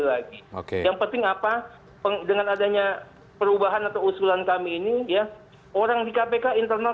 lagi oke yang penting apa dengan adanya perubahan atau usulan kami ini ya orang di kpk internal